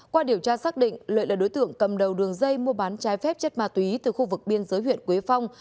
qua điều tra xác định lợi là đối tượng cầm đầu đường dây mua bán trái phép chất ma túy từ khu vực biên giới huyện quế phong